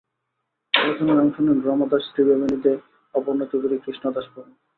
আলোচনায় অংশ নেন রমা দাশ, ত্রিবেনী দে, অপর্ণা চৌধুরী, কৃষ্ণা দাস প্রমুখ।